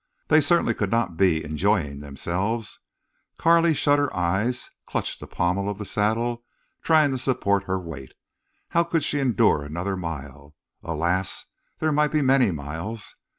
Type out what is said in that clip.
They certainly could not be enjoying themselves. Carley shut her eyes, clutched the pommel of the saddle, trying to support her weight. How could she endure another mile? Alas! there might be many miles.